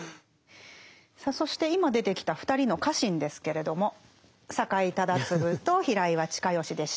さあそして今出てきた２人の家臣ですけれども酒井忠次と平岩親吉でした。